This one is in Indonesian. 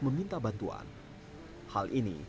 meminta bantuan hal ini